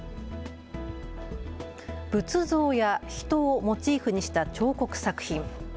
仏像や人をモチーフにした彫刻作品。